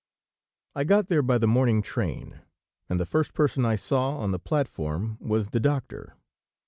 I got there by the morning train, and the first person I saw on the platform was the doctor.